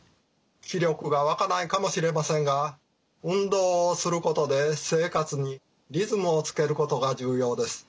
気力が湧かないかもしれませんが運動をすることで生活にリズムをつけることが重要です。